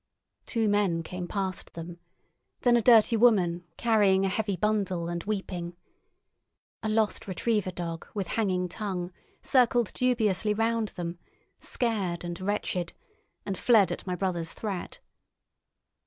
Two men came past them. Then a dirty woman, carrying a heavy bundle and weeping. A lost retriever dog, with hanging tongue, circled dubiously round them, scared and wretched, and fled at my brother's threat.